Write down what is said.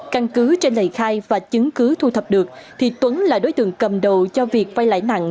căn cứ trên lầy khai và chứng cứ thu thập được thì tuấn là đối tượng cầm đầu cho việc vay lãi nặng